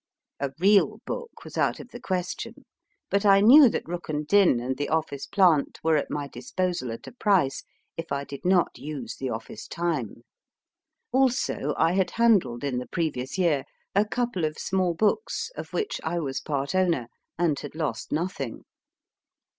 A real book was out of the question, but I knew that Rukn Din and the office plant were at my disposal at a price, if I did not use the office time. Also, I had handled in the previous year a couple of small books, of which I was part SUNG TO THE BANJOES ROUND CAMP FIRES owner, and had lost nothing.